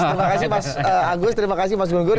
terima kasih mas agus terima kasih mas gununggur